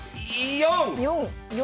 ４！４。